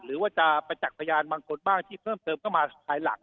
หรือว่าจะประจักษ์พยานบางคนบ้างที่เพิ่มเติมเข้ามาภายหลัง